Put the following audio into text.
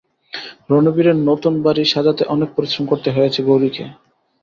রণবীরের নতুন বাড়ি সাজাতে অনেক পরিশ্রম করতে হয়েছে গৌরীকে।